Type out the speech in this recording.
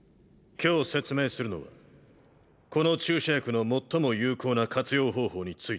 今日説明するのはこの注射薬の最も有効な活用方法についてだ。